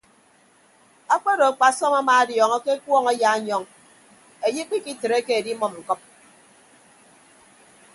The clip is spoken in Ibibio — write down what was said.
Akpodo akpasọm amaadiọọñọ ke ekuọñ ayaanyọñ anye ikpikitreke edimʌm ñkʌp.